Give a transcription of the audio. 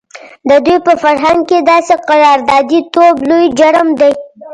د دوی په فرهنګ کې داسې قراردادي توب لوی جرم دی.